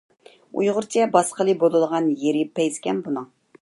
ئۇيغۇرچە باسقىلى بولىدىغان يېرى پەيزىكەن بۇنىڭ.